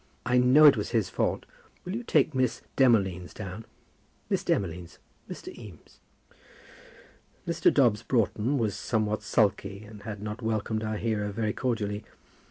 I know it was his fault. Will you take Miss Demolines down? Miss Demolines, Mr. Eames." Mr. Dobbs Broughton was somewhat sulky and had not welcomed our hero very cordially.